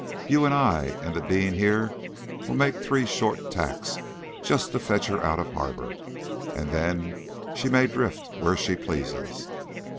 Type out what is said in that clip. You and I and the Dean here will make three short tacks just to fetch her out of harbour, and then she may drift where she pleases."